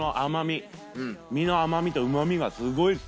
身の甘みとうま味がすごいです。